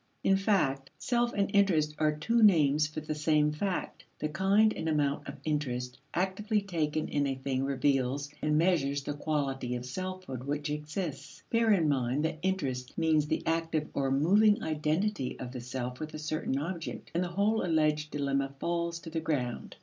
In fact, self and interest are two names for the same fact; the kind and amount of interest actively taken in a thing reveals and measures the quality of selfhood which exists. Bear in mind that interest means the active or moving identity of the self with a certain object, and the whole alleged dilemma falls to the ground.